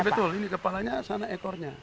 ini kepalanya betul ini kepalanya sana ekornya